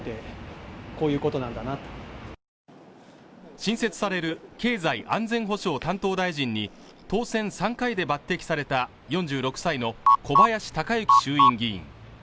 新設される経済安全保障担当大臣に当選３回で抜擢された４６歳の小林鷹之衆院議員